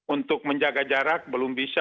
untuk menjaga jarak belum bisa